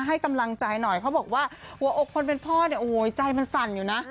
ให้กำลังใจหน่อยเขาบอกว่าหัวอกคนเป็นพ่อเนี่ยโอ้โหใจมันสั่นอยู่นะ